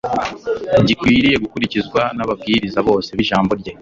gikwiriye gukurikizwa n’ababwiriza bose b’Ijambo rye,